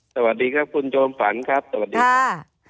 สวัสดีครับคุณจอมฝันครับสวัสดีครับ